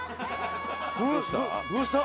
どうした？